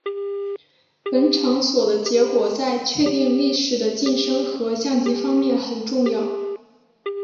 本场所的结果在确定力士的晋升和降级方面很重要。